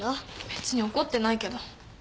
別に怒ってないけど。